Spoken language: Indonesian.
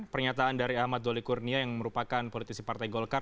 pernyataan dari ahmad doli kurnia yang merupakan politisi partai golkar